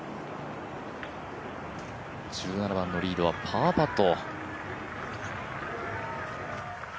１７番のリードはパーパット。